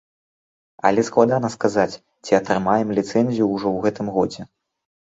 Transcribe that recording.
Але складана сказаць, ці атрымаем ліцэнзію ўжо ў гэтым годзе.